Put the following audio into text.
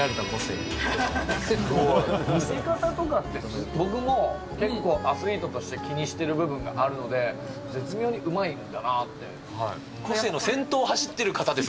見せ方とかって、僕も結構アスリートとして気にしてる部分があるので、絶妙にうまいんだなっ個性の先頭を走ってる方です